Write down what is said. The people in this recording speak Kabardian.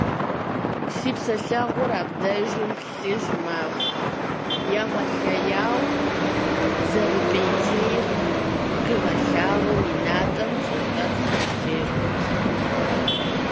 Си псэлъэгъур абдежым плъыжь мэхъу, егъэлеяуэ зэрыпӀейтейр къигъэлъагъуэу и натӀэм пщӀэнтӀэпсыр къытрекӀутэ.